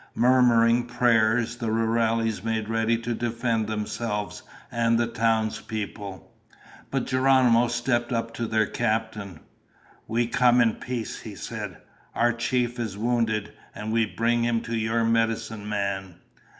Murmuring prayers, the rurales made ready to defend themselves and the townspeople. But Geronimo stepped up to their captain. "We come in peace," he said. "Our chief is wounded, and we bring him to your medicine man."